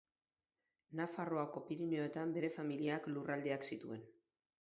Nafarroako Pirinioetan bere familiak lurraldeak zituen.